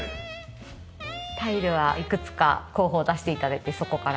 タイルはいくつか候補を出して頂いてそこから。